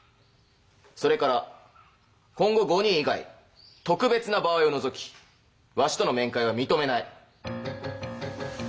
それから今後５人以外特別な場合を除きわしとの面会は認めない。